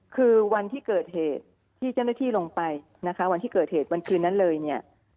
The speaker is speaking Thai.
คือวันที่เกิดเหตุที่เจ้าหน้าที่ลงไปนะคะวันที่เกิดเหตุวันคืนนั้นเลยเนี่ย